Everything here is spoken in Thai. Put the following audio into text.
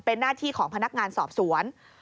เป็นหน้าที่ของพนักงานสอบสวน